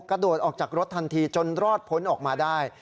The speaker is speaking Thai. กระโดดออกจากรถทันทีจนรอดพ้นออกมาได้